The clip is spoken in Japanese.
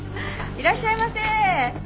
いらっしゃいませ。